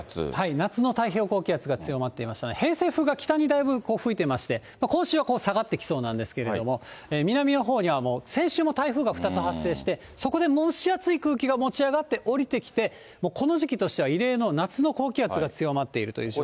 夏の太平洋高気圧が強まっていますので、偏西風が北にだいぶ、吹いてまして、今週はこう下がってきそうなんですけれども、南のほうには先週も台風が２つ発生して、そこで蒸し暑い空気が持ち上がって下りてきて、この時期としては異例の夏の高気圧が強まっているという状況。